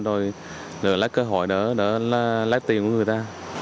rồi lấy cơ hội để lấy tiền của người ta